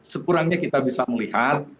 sekurangnya kita bisa melihat